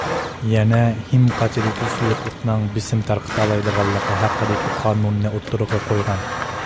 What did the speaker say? يەنە ھىم قاچىدىكى سۇيۇقلۇقنىڭ بېسىم تارقىتالايدىغانلىقى ھەققىدىكى قانۇننى ئوتتۇرىغا قويغان.